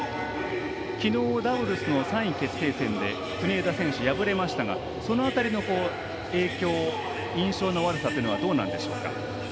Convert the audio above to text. きのう、ダブルスの３位決定戦で国枝選手、敗れましたがその辺りの影響印象の悪さというのはどうなんでしょうか。